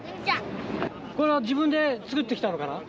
これは自分で作ってきたのかな？